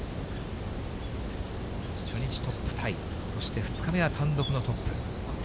初日トップタイ、そして２日目は単独のトップ。